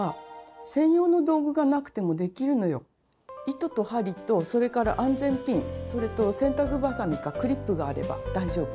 糸と針とそれから安全ピンそれと洗濯ばさみかクリップがあれば大丈夫。